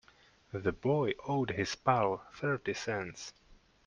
The boy owed his pal thirty cents.